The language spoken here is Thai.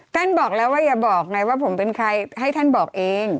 บอกแล้วว่าอย่าบอกไงว่าผมเป็นใครให้ท่านบอกเอง